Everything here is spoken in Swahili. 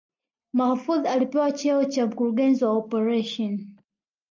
Mahfoudhi alipewa cheo cha Mkurugenzi wa Operesheni